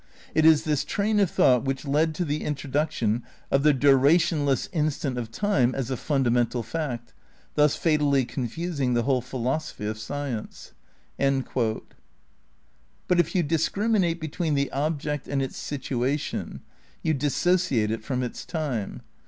It is this train of thought which led to the introduction of the durationless instant of time as a fundamental fact, thus fatally confusing the whole philosophy of science." ' But if you discriminate between the object and its situa tion you dissociate it from its time.